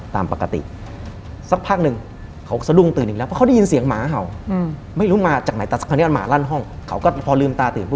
ตอนนี้อันหมาลั่นห้องเขาก็พอลืมตาตื่น